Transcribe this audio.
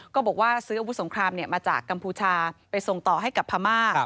ก็บอกว่าซื้ออาวุธสงครามมาจากกัมพูชาไปส่งต่อให้กับพม่า